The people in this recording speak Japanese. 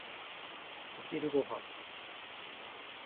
お昼ご飯。